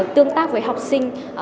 tương tác với học sinh